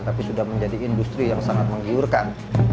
tapi sudah menjadi industri yang sangat menggiurkan